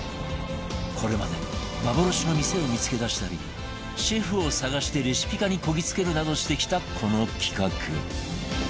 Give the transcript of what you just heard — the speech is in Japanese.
これまで幻の店を見付け出したりシェフを捜してレシピ化にこぎつけるなどしてきたこの企画